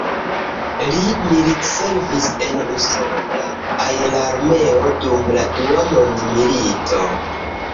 Li militservis en usona aerarmeo dum la Dua Mondmilito.